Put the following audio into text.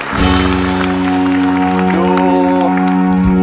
คุณคุณพรชัยสามารถที่ยกที่๕นิ้ว